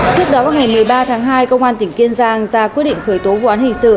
trước đó vào ngày một mươi ba tháng hai công an tỉnh kiên giang ra quyết định khởi tố vụ án hình sự